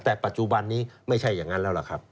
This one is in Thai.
แต่ปัจจุบันนี้ไม่ใช่อย่างนั้นแล้วล่ะครับ